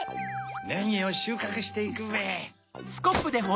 ネギをしゅうかくしていくべ。